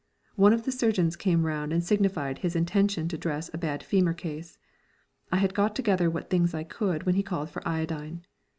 One of the surgeons came round and signified his intention to dress a bad femur case. I had got together what things I could when he called for iodine.